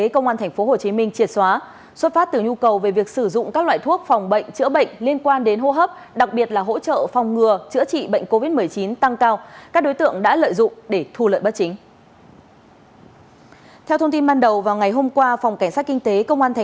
công an thành phố hà nội đã chủ động phân công cán bộ chiến sĩ vừa tham gia phòng chống dịch